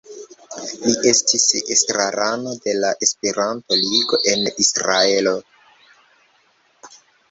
Li estis estrarano de la Esperanto-Ligo en Israelo.